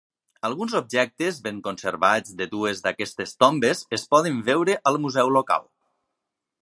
Alguns objectes ben conservats de dues d'aquestes tombes es poden veure al museu local.